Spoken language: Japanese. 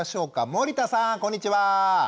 森田さんこんにちは！